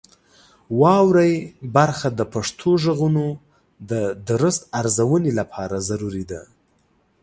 واورئ برخه د پښتو غږونو د درست ارزونې لپاره ضروري ده.